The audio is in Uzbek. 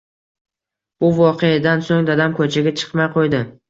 Bu voqeadan soʻng dadam koʻchaga chiqmay qoʻydi.